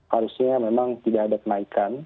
harusnya memang tidak ada kenaikan